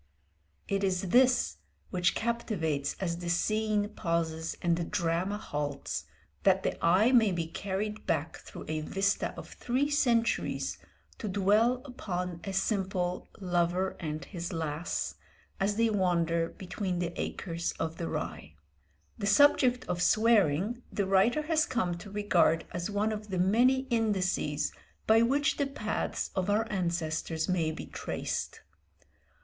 It is this which captivates as the scene pauses and the drama halts, that the eye may be carried back through a vista of three centuries to dwell upon a simple "lover and his lass" as they wander "between the acres of the rye." The subject of swearing the writer has come to regard as one of the many indices by which the paths of our ancestors may be traced.